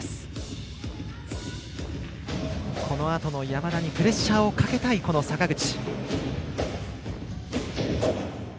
山田にプレッシャーをかけたい坂口。